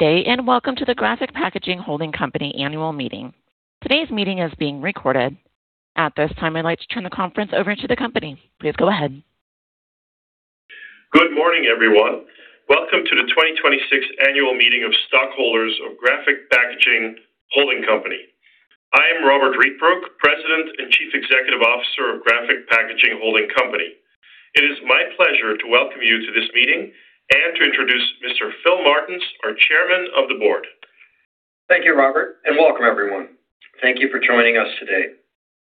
Day, and welcome to the Graphic Packaging Holding Company annual meeting. Today's meeting is being recorded. At this time, I'd like to turn the conference over to the company. Please go ahead. Good morning, everyone. Welcome to the 2026 annual meeting of stockholders of Graphic Packaging Holding Company. I am Robbert Rietbroek, President and Chief Executive Officer of Graphic Packaging Holding Company. It is my pleasure to welcome you to this meeting and to introduce Mr. Phil Martens, our Chairman of the Board. Thank you, Robbert, and welcome everyone. Thank you for joining us today.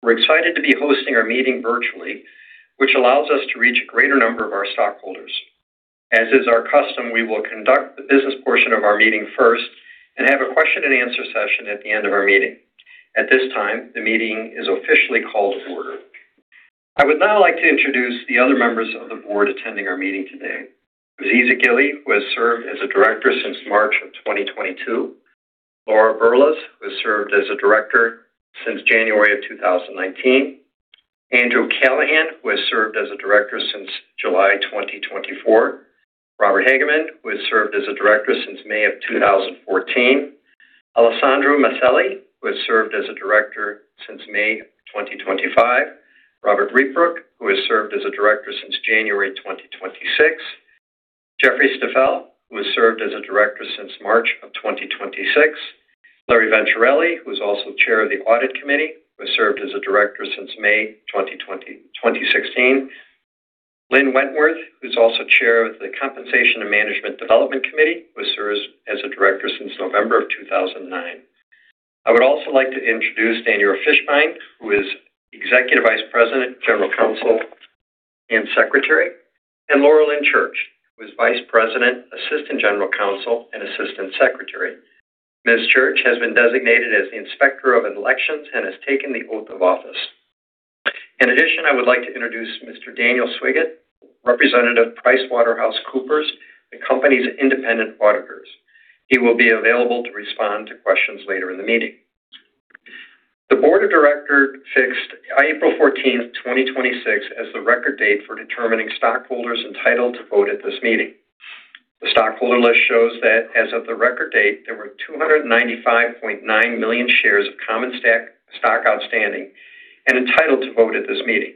We're excited to be hosting our meeting virtually, which allows us to reach a greater number of our stockholders. As is our custom, we will conduct the business portion of our meeting first and have a question and answer session at the end of our meeting. At this time, the meeting is officially called to order. I would now like to introduce the other members of the board attending our meeting today. Aziz Aghili, who has served as a director since March of 2022. Laurie Brlas, who served as a director since January of 2019. Andrew Callahan, who has served as a director since July 2024. Robert Hagemann, who has served as a director since May of 2014. Alessandro Maselli, who has served as a director since May 2025. Robbert Rietbroek, who has served as a director since January 2026. Jeffrey Stafeil, who has served as a director since March of 2026. Larry Venturelli, who's also chair of the audit committee, who has served as a director since May 2016. Lynn Wentworth, who's also chair of the Compensation and Management Development Committee, who serves as a director since November of 2009. I would also like to introduce Daniel Fishbein, who is Executive Vice President, General Counsel, and Secretary, and Laurelann Church, who is Vice President, Assistant General Counsel, and Assistant Secretary. Ms. Church has been designated as the Inspector of Elections and has taken the oath of office. In addition, I would like to introduce Mr. Daniel Swygert, representative PricewaterhouseCoopers, the company's independent auditors. He will be available to respond to questions later in the meeting. The board of directors fixed April 14th, 2026 as the record date for determining stockholders entitled to vote at this meeting. The stockholder list shows that as of the record date, there were 295.9 million shares of common stock outstanding and entitled to vote at this meeting.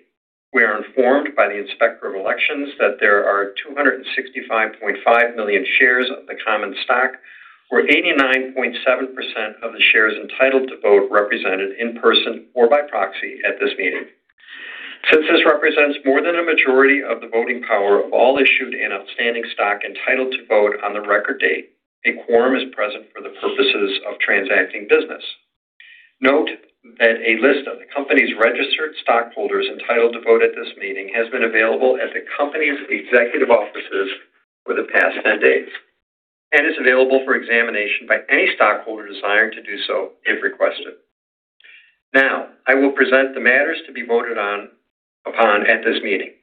We are informed by the Inspector of Elections that there are 265.5 million shares of the common stock, or 89.7% of the shares entitled to vote represented in person or by proxy at this meeting. Since this represents more than a majority of the voting power of all issued and outstanding stock entitled to vote on the record date, a quorum is present for the purposes of transacting business. Note that a list of the company's registered stockholders entitled to vote at this meeting has been available at the company's executive offices for the past 10 days and is available for examination by any stockholder desiring to do so if requested. I will present the matters to be voted upon at this meeting.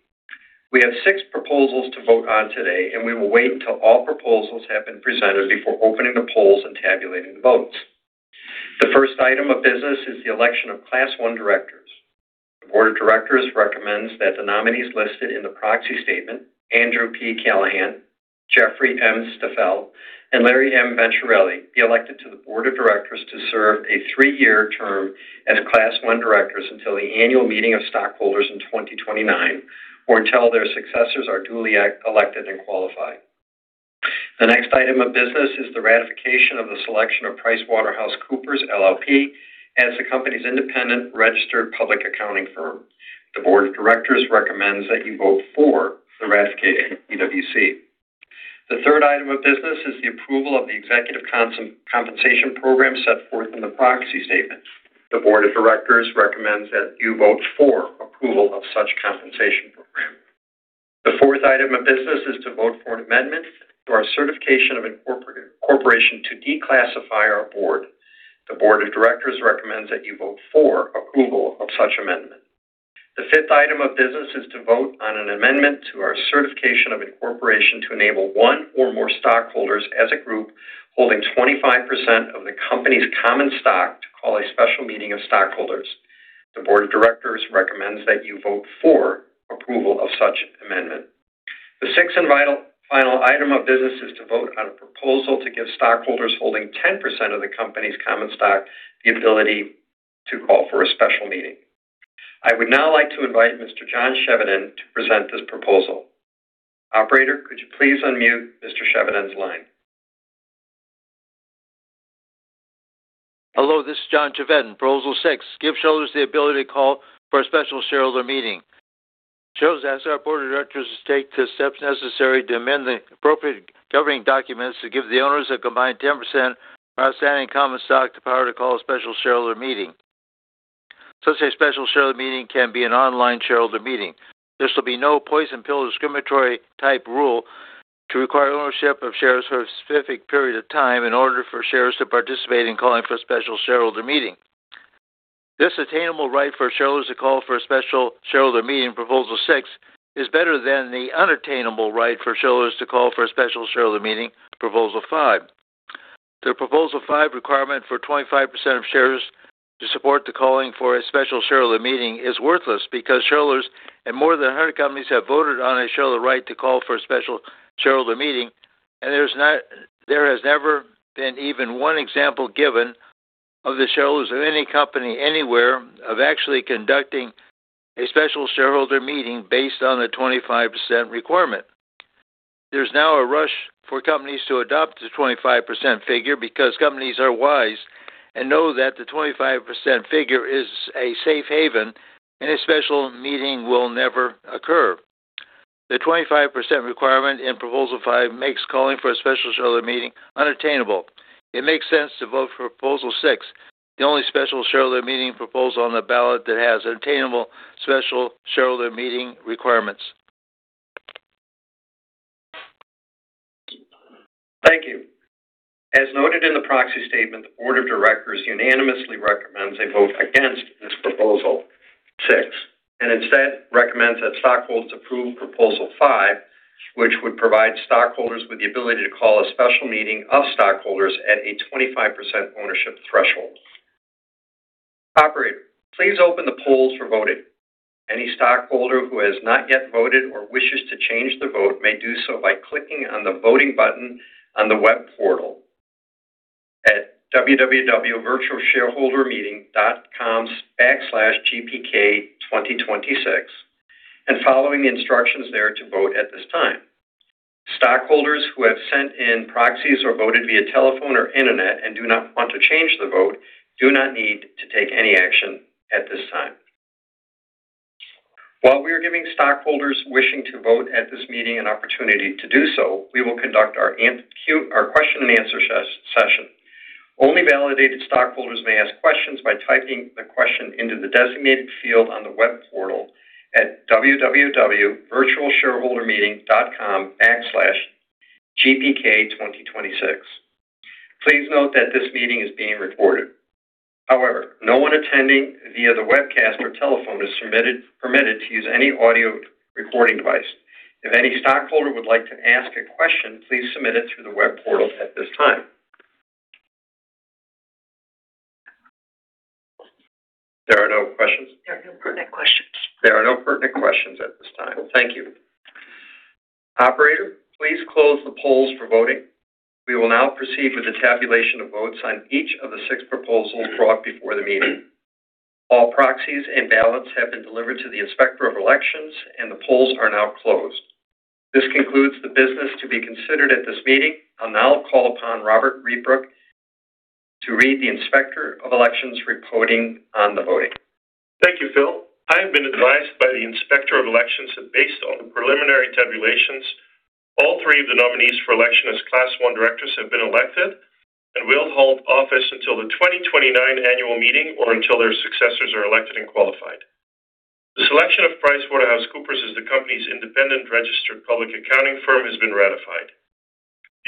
We have six proposals to vote on today, we will wait until all proposals have been presented before opening the polls and tabulating the votes. The first item of business is the election of Class 1 directors. The board of directors recommends that the nominees listed in the proxy statement, Andrew P. Callahan, Jeffrey M. Stafeil, and Larry M. Venturelli be elected to the board of directors to serve a three-year term as Class 1 directors until the annual meeting of stockholders in 2029 or until their successors are duly elected and qualified. The next item of business is the ratification of the selection of PricewaterhouseCoopers, LLP as the company's independent registered public accounting firm. The board of directors recommends that you vote for the ratification of PwC. The third item of business is the approval of the executive compensation program set forth in the proxy statement. The board of directors recommends that you vote for approval of such compensation program. The fourth item of business is to vote for an amendment to our certificate of incorporation to declassify our board. The board of directors recommends that you vote for approval of such amendment. The fifth item of business is to vote on an amendment to our certificate of incorporation to enable one or more stockholders as a group holding 25% of the company's common stock to call a special meeting of stockholders. The board of directors recommends that you vote for approval of such amendment. The sixth and final item of business is to vote on a proposal to give stockholders holding 10% of the company's common stock the ability to call for a special meeting. I would now like to invite Mr. John Chevedden to present this proposal. Operator, could you please unmute Mr. Chevedden's line? Hello, this is John Chevedden. Proposal six, give shareholders the ability to call for a special shareholder meeting. Shareholders ask our board of directors to take the steps necessary to amend the appropriate governing documents to give the owners of combined 10% of our outstanding common stock the power to call a special shareholder meeting. Such a special shareholder meeting can be an online shareholder meeting. This will be no poison pill discriminatory type rule to require ownership of shares for a specific period of time in order for shares to participate in calling for a special shareholder meeting. This attainable right for shareholders to call for a special shareholder meeting, proposal six, is better than the unattainable right for shareholders to call for a special shareholder meeting, proposal five. The proposal five requirement for 25% of shares. To support the calling for a special shareholder meeting is worthless because shareholders in more than 100 companies have voted on a shareholder right to call for a special shareholder meeting, and there has never been even one example given of the shareholders of any company anywhere of actually conducting a special shareholder meeting based on a 25% requirement. There's now a rush for companies to adopt the 25% figure because companies are wise and know that the 25% figure is a safe haven, and a special meeting will never occur. The 25% requirement in proposal five makes calling for a special shareholder meeting unattainable. It makes sense to vote for proposal six, the only special shareholder meeting proposal on the ballot that has attainable special shareholder meeting requirements. Thank you. As noted in the proxy statement, the board of directors unanimously recommends a vote against this proposal six, and instead recommends that stockholders approve proposal five, which would provide stockholders with the ability to call a special meeting of stockholders at a 25% ownership threshold. Operator, please open the polls for voting. Any stockholder who has not yet voted or wishes to change their vote may do so by clicking on the voting button on the web portal at www.virtualshareholdermeeting.com/gpk2026 and following the instructions there to vote at this time. Stockholders who have sent in proxies or voted via telephone or internet and do not want to change their vote do not need to take any action at this time. While we are giving stockholders wishing to vote at this meeting an opportunity to do so, we will conduct our question-and-answer session. Only validated stockholders may ask questions by typing their question into the designated field on the web portal at www.virtualshareholdermeeting.com/gpk2026. Please note that this meeting is being recorded. However, no one attending via the webcast or telephone is permitted to use any audio recording device. If any stockholder would like to ask a question, please submit it through the web portal at this time. There are no questions? There are no pertinent questions. There are no pertinent questions at this time. Thank you. Operator, please close the polls for voting. We will now proceed with the tabulation of votes on each of the six proposals brought before the meeting. All proxies and ballots have been delivered to the Inspector of Elections and the polls are now closed. This concludes the business to be considered at this meeting. I'll now call upon Robbert Rietbroek to read the Inspector of Elections' reporting on the voting. Thank you, Phil. I have been advised by the Inspector of Elections that based on the preliminary tabulations, all three of the nominees for election as Class 1 directors have been elected and will hold office until the 2029 annual meeting or until their successors are elected and qualified. The selection of PricewaterhouseCoopers as the company's independent registered public accounting firm has been ratified.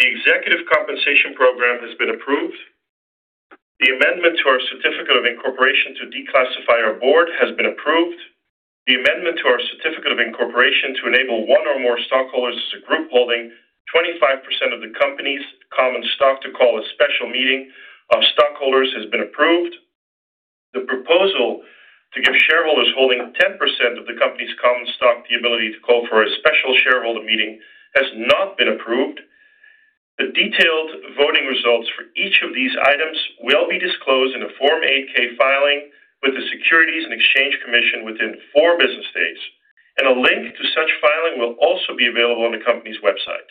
The executive compensation program has been approved. The amendment to our certificate of incorporation to declassify our board has been approved. The amendment to our certificate of incorporation to enable one or more stockholders as a group holding 25% of the company's common stock to call a special meeting of stockholders has been approved. The proposal to give shareholders holding 10% of the company's common stock the ability to call for a special shareholder meeting has not been approved. The detailed voting results for each of these items will be disclosed in a Form 8-K filing with the Securities and Exchange Commission within four business days, and a link to such filing will also be available on the company's website.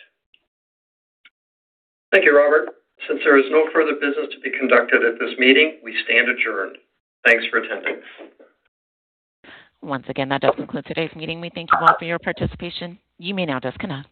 Thank you, Robert. Since there is no further business to be conducted at this meeting, we stand adjourned. Thanks for attending. Once again, that does conclude today's meeting. We thank you all for your participation. You may now disconnect.